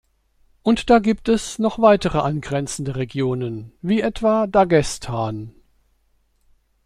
Und da gibt es noch weitere angrenzende Regionen, wie etwa Daghestan.